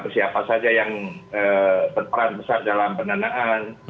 siapa saja yang berperan besar dalam pendanaan